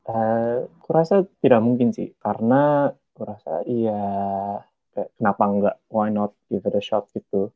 aku rasa tidak mungkin sih karena aku rasa ya kenapa nggak why not give it a shot gitu